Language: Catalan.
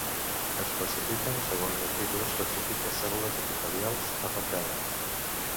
Es classifiquen segons el tipus específic de cèl·lules epitelials afectades.